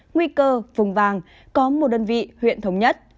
nguy cơ vùng vàng có một đơn vị huyện thống nhất